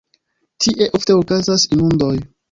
Tie ofte okazas inundoj.